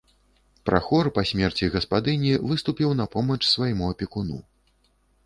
Прахор па смерці гаспадыні выступіў на помач свайму апекуну.